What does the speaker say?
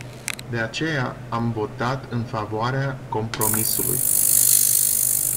De aceea, am votat în favoarea compromisului.